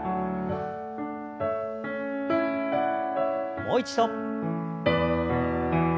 もう一度。